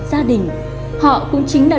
gia đình họ cũng chính là